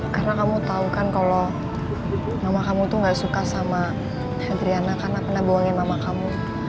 karena kamu tau kan kalau mama kamu tuh gak suka sama adriana karena pernah buangin mama kamu